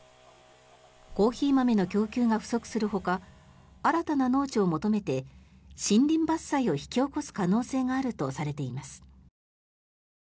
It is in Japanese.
コーヒー豆の供給が不足するほか新たな農地を求めて森林伐採を引き起こす可能性があるとされています。